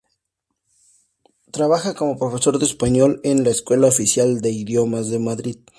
Trabaja como profesor de español en la Escuela Oficial de Idiomas de Madrid.